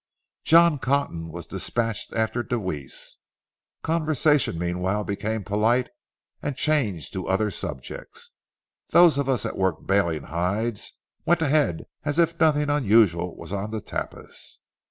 John Cotton was dispatched after Deweese. Conversation meanwhile became polite and changed to other subjects. Those of us at work baling hides went ahead as if nothing unusual was on the tapis.